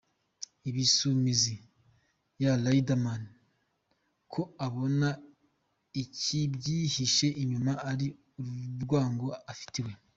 "Ibisumizi ya Riderman, ko abona icyibyihishe inyuma ari urwango afitiwe.